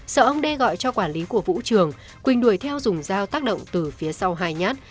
sợ ông đe gọi cho quản lý của vũ trường quỳnh đuổi theo dùng dao tác động từ phía sau hai nhát